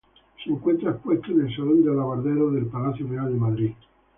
Se encuentra expuesto en el Salón de alabarderos del Palacio Real de Madrid.